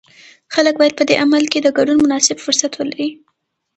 خلک باید په دې عمل کې د ګډون مناسب فرصت ولري.